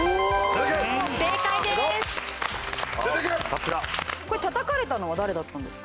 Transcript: さすが。これたたかれたのは誰だったんですか？